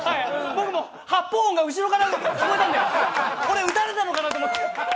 僕も発砲音が後ろから聞こえたので、俺、撃たれたのかなと思って。